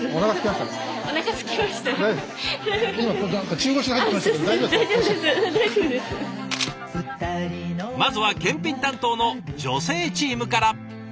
まずは検品担当の女性チームから。